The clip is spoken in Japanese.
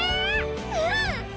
うん！